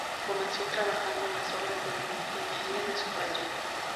Comenzó trabajando en las obras de ingeniería de su padre.